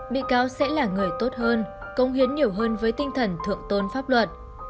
bị cáo sẽ là người tốt hơn công hiến nhiều hơn với tinh thần thượng tôn pháp luật